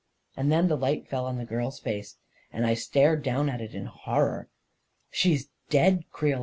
And then the light fell on the girl's face, and I stared down at it in horror. " She's dead, Creel !